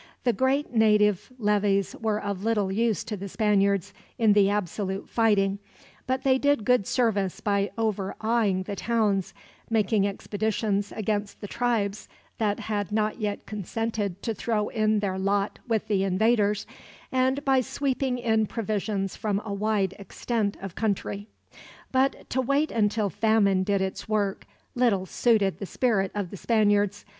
The great native levies were of little use to the Spaniards in the absolute fighting, but they did good service by overawing the towns, making expeditions against the tribes that had not yet consented to throw in their lot with the invaders, and by sweeping in provisions from a wide extent of country. But to wait until famine did its work little suited the spirit of the Spaniards.